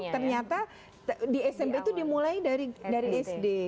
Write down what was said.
ternyata di smp itu dimulai dari sd